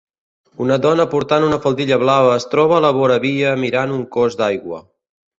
Una dona portant una faldilla blava es troba a la voravia mirant un cos d'aigua.